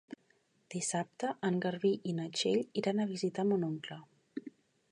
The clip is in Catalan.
Dissabte en Garbí i na Txell iran a visitar mon oncle.